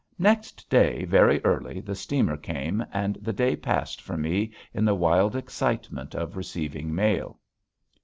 Next day very early the steamer came and the day passed for me in the wild excitement of receiving mail.